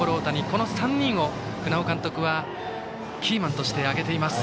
この３人を船尾監督はキーマンとして挙げています。